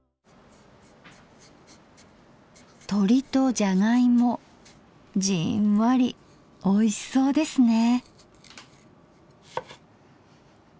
とりとじゃがいもじんわりおいしそうですね。